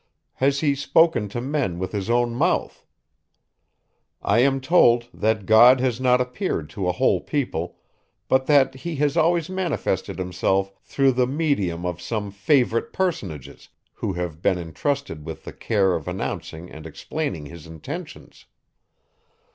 Has he spoken to men with his own mouth? I am told, that God has not appeared to a whole people; but that he has always manifested himself through the medium of some favourite personages, who have been intrusted with the care of announcing and explaining his intentions.